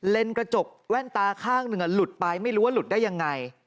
กระจกแว่นตาข้างหนึ่งหลุดไปไม่รู้ว่าหลุดได้ยังไง